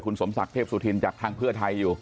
สมศักดิ์เทพสุธินจากทางเพื่อไทยอยู่